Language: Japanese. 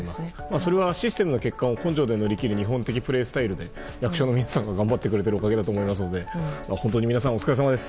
それはシステムの結果を根性で乗り切る日本的プレースタイルで役所の皆さんが頑張ってくれてるおかげだと思うので本当に皆さんお疲れさまです。